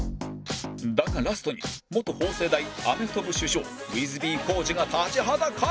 だがラストに元法政大アメフト部主将 ｗｉｔｈＢ コージが立ちはだかる